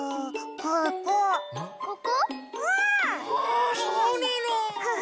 あそうなの！